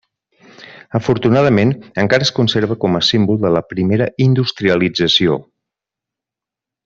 Afortunadament, encara es conserva com a símbol de la primera industrialització.